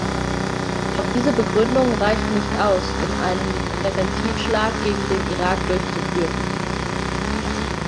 Doch diese Begründung reicht nicht aus, um einen Präventivschlag gegen den Irak durchzuführen.